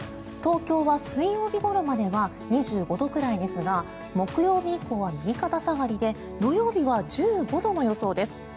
東京は水曜日ごろまでは２５度くらいですが木曜日以降は右肩下がりで土曜日は１５度の予想です。